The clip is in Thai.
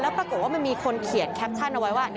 ปรากฏว่ามันมีคนเขียนแคปชั่นเอาไว้ว่า